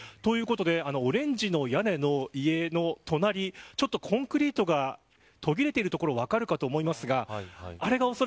ということでオレンジの屋根の家の隣ちょっとコンクリートが途切れている所が分かると思います。